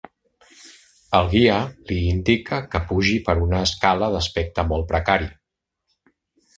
El guia li indica que pugi per una escala d'aspecte molt precari.